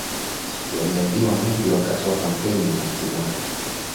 yaliahidiwa mengi wakati wa kampeni na hatimaye